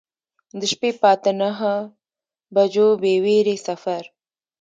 د شپې په اته نهه بجو بې ویرې سفر.